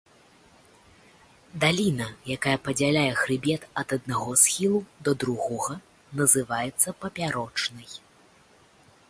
Даліна, якая падзяляе хрыбет ад аднаго схілу да другога, называецца папярочнай.